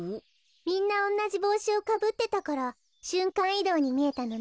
みんなおんなじぼうしをかぶってたからしゅんかんいどうにみえたのね。